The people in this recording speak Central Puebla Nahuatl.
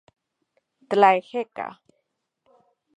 Tlaejeka.